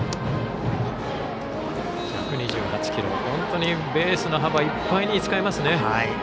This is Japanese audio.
本当にベースの幅いっぱいに使いますね。